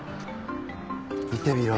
見てみろ。